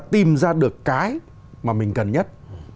tìm ra được cái mà mình cần nhất